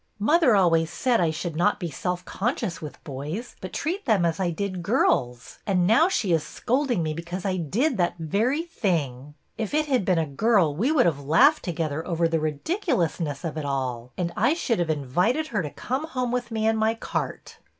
'' Mother always said I should not be self con scious with boys, but treat them as I did girls, and now she is scolding me because I did that very thing. If it had been a girl, we would have laughed together over the ridiculousness of it all, and I should have invited her to come home with me in my cart.